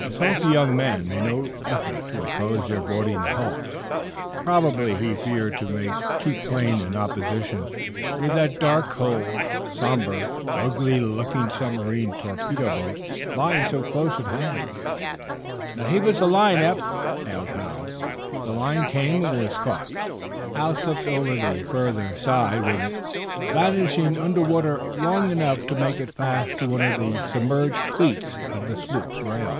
The sulky young man made no effort to oppose their boarding the hull. Probably he feared to make too plain an opposition, with that dark hulled, sombre, ugly looking submarine torpedo boat lying so close at hand. "Now, heave us a line, Eph!" hailed Hal. The line came, and was caught. Hal slipped over the further side with it, vanishing under water long enough to make it fast to one of the submerged cleats of the sloop's rail.